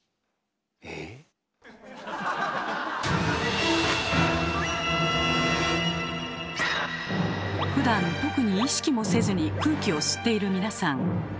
えぇ⁉ふだん特に意識もせずに空気を吸っている皆さん。